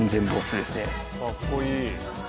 かっこいい。